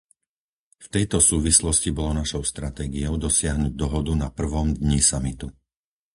V tejto súvislosti bolo našou stratégiou dosiahnuť dohodu na prvom dni samitu.